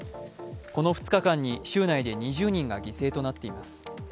この２日間に州内で２０人が犠牲となっています。